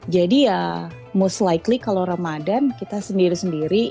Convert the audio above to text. ya most likely kalau ramadan kita sendiri sendiri